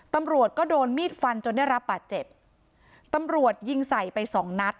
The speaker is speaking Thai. ตำรวจก็โดนมีดฟันจนได้รับบาดเจ็บตำรวจยิงใส่ไปสองนัด